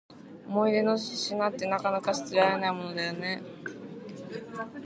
思い出の品って、なかなか捨てられないものだよね。